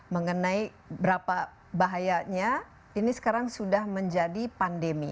mengenai berapa bahayanya ini sekarang sudah menjadi pandemi